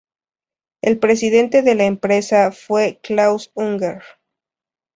El presidente de la empresa fue Klaus Unger.